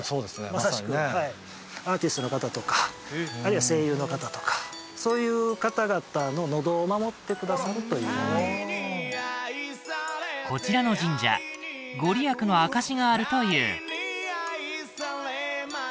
まさしくはいアーティストの方とかあるいは声優の方とかそういう方々ののどを守ってくださるというこちらの神社御利益の証しがあるというあ